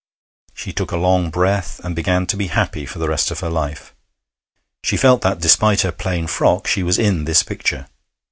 She took a long breath, and began to be happy for the rest of her life. She felt that, despite her plain frock, she was in this picture.